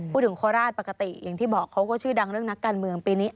โคราชปกติอย่างที่บอกเขาก็ชื่อดังเรื่องนักการเมืองปีนี้